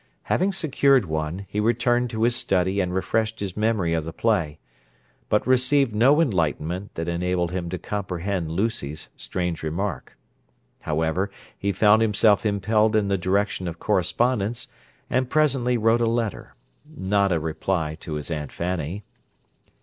Having secured one, he returned to his study and refreshed his memory of the play—but received no enlightenment that enabled him to comprehend Lucy's strange remark. However, he found himself impelled in the direction of correspondence, and presently wrote a letter—not a reply to his Aunt Fanny.